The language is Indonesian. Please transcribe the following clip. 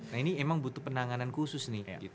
nah ini emang butuh penanganan khusus nih